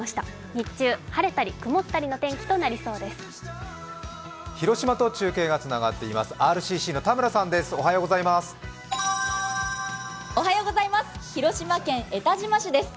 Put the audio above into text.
日中、晴れたり曇ったりの天気となるようです。